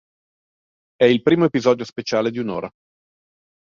È il primo episodio speciale di un'ora.